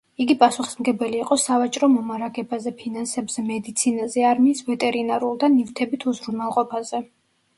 იგი პასუხისმგებელი იყო სავაჭრო მომარაგებაზე, ფინანსებზე, მედიცინაზე, არმიის ვეტერინარულ და ნივთებით უზრუნველყოფაზე.